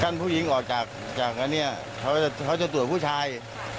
กั้นผู้หญิงออกจากอันเนี่ย